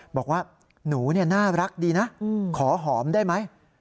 บอกว่าหนูน่ารักดีนะขอหอมได้ไหม